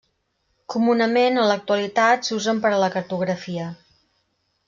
Comunament en l'actualitat s'usen per a la cartografia.